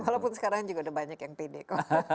walaupun sekarang juga udah banyak yang pede kok